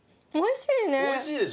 おいしいね。